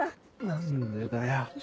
何でだよ。